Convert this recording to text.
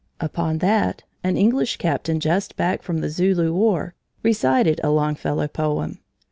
Upon that, an English captain just back from the Zulu war, recited a Longfellow poem.